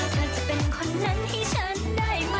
เธอจะเป็นคนนั้นให้ฉันได้ไหม